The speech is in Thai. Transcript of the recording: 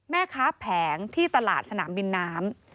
แม่ค้าแผงที่ตลาดสนามบินน้ำ